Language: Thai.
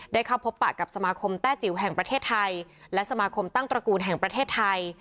ได้เข้าพบปะกับสมาคมแต้จิ๋วแห่งประเทศไทยและสมาคมตั้งตระกูลแห่งประเทศไทย